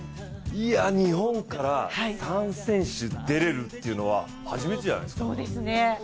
日本から３選手出れるというのは初めてじゃないですか？